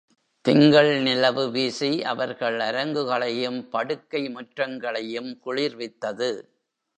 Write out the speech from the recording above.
திங்கள் நிலவு வீசி அவர்கள் அரங்குகளையும் படுக்கை முற்றங்களையும் குளிர்வித்தது.